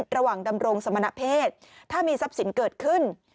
ระหว่างดำรงสมณเพศถ้ามีทรัพย์ศิลป์เกิดขึ้น